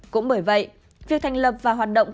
cũng bởi vậy việc thành lập và hoạt động